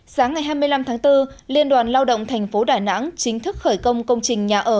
sáng ngày hai mươi năm tháng bốn liên đoàn lao động thành phố đà nẵng chính thức khởi công công trình nhà ở